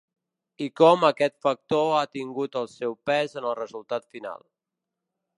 I com aquest factor ha tingut el seu pes en el resultat final.